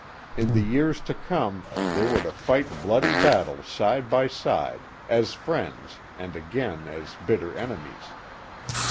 In the years to come they were to fight bloody battles side by side, as friends, and again as bitter enemies.